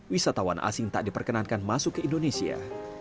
wisatawan asing tak diperkenankan masuk ke indonesia